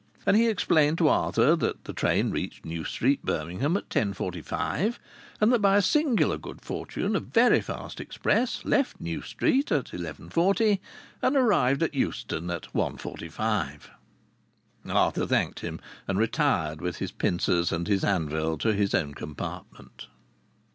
And he explained to Arthur that the train reached New Street, Birmingham, at 10.45, and that, by a singular good fortune, a very fast express left New Street at 11.40, and arrived at Euston at 1.45. Arthur thanked him and retired with his pincers and anvil to his own compartment.